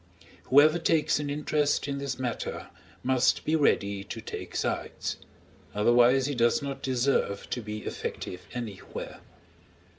Whoever takes an interest in this matter, must be ready to take sides; otherwise he does not deserve to be effective anywhere.